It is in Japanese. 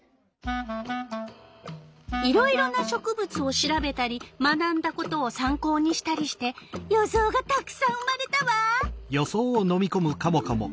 いろいろな植物を調べたり学んだことをさん考にしたりして予想がたくさん生まれたわ！